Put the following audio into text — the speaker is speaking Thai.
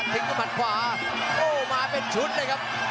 หมัดขวาโอ้มาเป็นชุดเลยครับ